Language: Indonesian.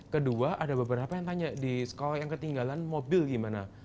kedua ada beberapa yang tanya kalau yang ketinggalan mobil gimana